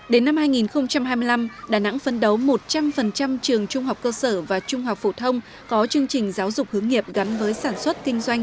đến năm hai nghìn hai mươi năm đà nẵng phân đấu một trăm linh trường trung học cơ sở và trung học phổ thông có chương trình giáo dục hướng nghiệp gắn với sản xuất kinh doanh